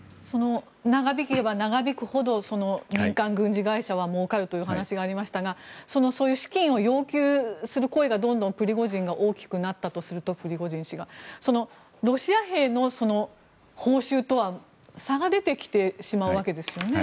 長引けば長引くほど民間軍事会社はもうかるという話がありましたがそういう資金を要求する声がプリゴジン氏が大きくなったとするとロシア兵の報酬とは差が出てきてしまうわけですよね。